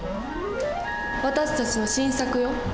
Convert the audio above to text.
私たちの新作よ。